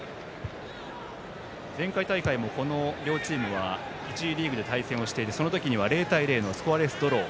前回大会もこの両チームは１次リーグで対戦してその時には０対０のスコアレスドロー。